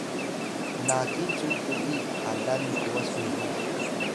mnaki cu tu’i halan m’was biru